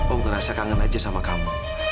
oh ngerasa kangen aja sama kamu